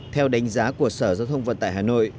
theo đánh giá của sở giao thông vận tải hà nội